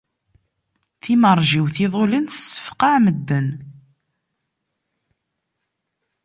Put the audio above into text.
Timerjiwt iḍulen tessefqaε medden.